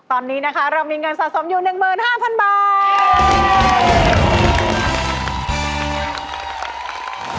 ตอนนี้นะคะเรามีเงินสะสมอยู่๑๕๐๐๐บาท